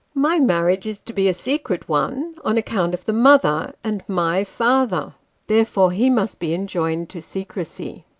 My marriage is to be a secret one, on account of the mother and my father ; therefore he must be enjoined to secrecy."